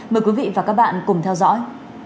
mời quý vị và các bạn cùng theo dõi